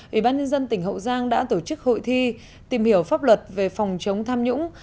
ủy ban nhân dân tỉnh hậu giang đã tổ chức hội thi tìm hiểu pháp luật về phòng chống tham nhũng